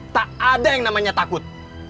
tak ada yang namanya takut